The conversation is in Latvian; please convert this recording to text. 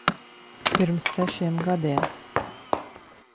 Pirms sešiem gadiem.